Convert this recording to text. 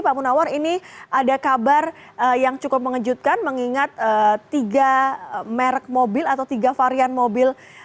pak munawar ini ada kabar yang cukup mengejutkan mengingat tiga merek mobil atau tiga varian mobil